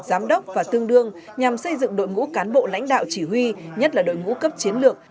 giám đốc và tương đương nhằm xây dựng đội ngũ cán bộ lãnh đạo chỉ huy nhất là đội ngũ cấp chiến lược